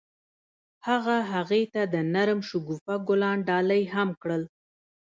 هغه هغې ته د نرم شګوفه ګلان ډالۍ هم کړل.